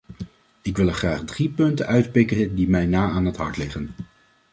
Ik wil er graag drie punten uitpikken die mij na aan het hart liggen.